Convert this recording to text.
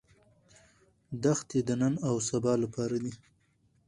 دښتې د نن او سبا لپاره دي.